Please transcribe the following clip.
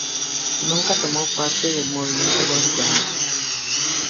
Nunca tomó parte en el movimiento Ghost Dance.